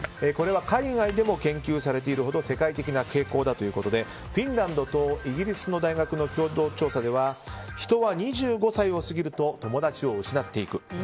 海外でも研究されているほど世界的な傾向だということでフィンランドとイギリスの大学の共同調査では人は２５歳を過ぎると友達を失っていく。